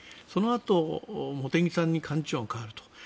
そのあと茂木さんに幹事長が代わると。